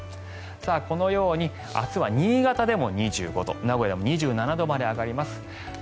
このように明日は新潟でも２５度名古屋も２７度まで上がります。